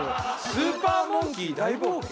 『スーパーモンキー大冒険』？